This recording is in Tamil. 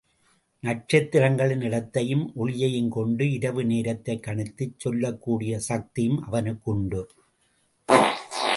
நட்சத்திரங்களின் இடத்தையும் ஒளியையும்கொண்டு, இரவு நேரத்தைக் கணித்துச் சொல்லக் கூடிய சக்தியும் அவனுக்கு உண்டு.